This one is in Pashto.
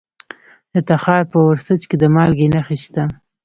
د تخار په ورسج کې د مالګې نښې شته.